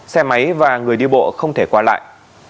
xe máy và người đi bộ không thể qua lại